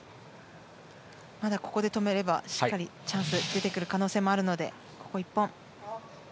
まだここで止めればしっかりチャンスが出てくる可能性もあるのでここ１本。